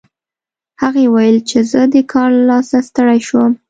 هغې وویل چې زه د کار له لاسه ستړې شوم